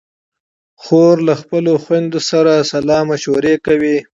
خور له خپلو خویندو سره سلا مشورې کوي.